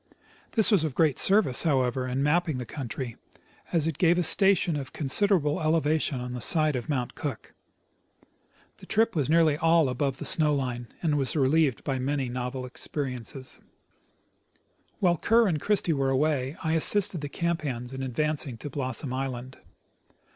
This Avas of great service, hoAvever, in mapping the country, as it gave a station of considerable elevation on the side of Mount Cook. The trip was nearl}^ all above the snoAV line,. and was relieved by many novel experiences. Encamjjment in a Paradise. 113 Wliile Kerr and Christie were away, I assisted the camp hands in advancing to Blossom island.